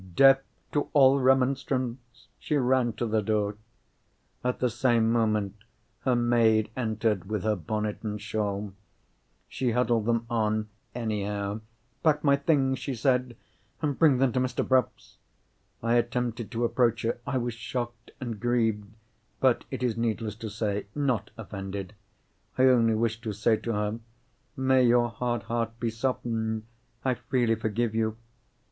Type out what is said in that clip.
Deaf to all remonstrance, she ran to the door. At the same moment, her maid entered with her bonnet and shawl. She huddled them on anyhow. "Pack my things," she said, "and bring them to Mr. Bruff's." I attempted to approach her—I was shocked and grieved, but, it is needless to say, not offended. I only wished to say to her, "May your hard heart be softened! I freely forgive you!"